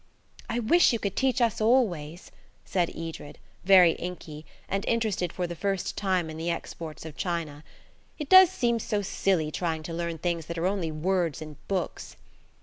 "I wish you could teach us always," said Edred, very inky, and interested for the first time in the exports of China; "it does seem so silly trying to learn things that are only words in books."